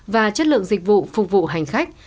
và chất lượng dịch vụ phục vụ hành khách